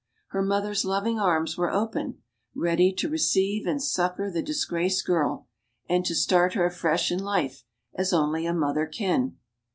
Her mother's loving arms were open, ready to re ceive and succor the disgraced girl, and to start her afresh in life as only a mother can.